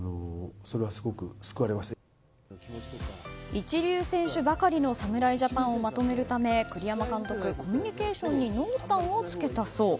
一流選手ばかりの侍ジャパンをまとめるため栗山監督、コミュニケーションに濃淡をつけたそう。